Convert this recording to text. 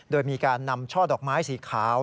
โดยมีการนำช่อดอกไม้สีขาว